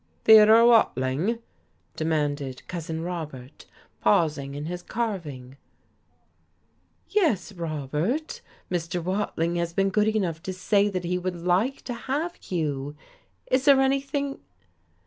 "Theodore Watling?" demanded Cousin Robert, pausing in his carving. "Yes, Robert. Mr. Watling has been good enough to say that he would like to have Hugh. Is there anything